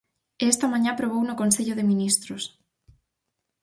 E esta mañá aprobouno o consello de ministros.